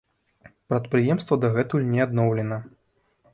Прадпрыемства дагэтуль не адноўлена.